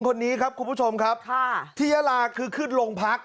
คนนี้ครับคุณผู้ชมครับค่ะที่ยาลาคือขึ้นโรงพัก